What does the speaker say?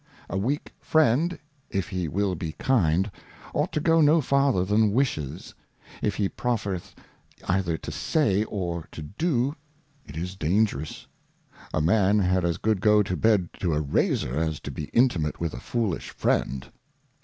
A weak Friend, if he will be kind, ought to go no farther than Wishes ; if he proffereth either to say, or to do, it is dangerous. A Man had as good go to Bed to a Razor, as to be intimate with a foolish Friend.